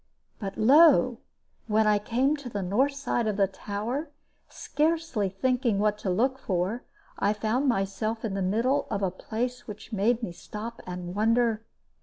But lo! when I came to the north side of the tower, scarcely thinking what to look for, I found myself in the middle of a place which made me stop and wonder.